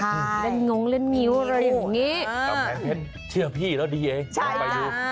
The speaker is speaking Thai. ใช่เล่นงงเล่นมิ้วอะไรอย่างเงี้ยกำแพ้เผ็ดเชื่อพี่แล้วดีเองใช่ค่ะ